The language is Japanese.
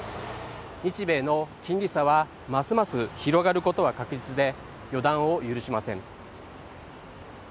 日米の金利差はますます広がることは確実で、予断を許しません。